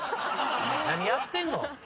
何やってんの。